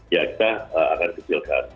ya kita akan kecilkan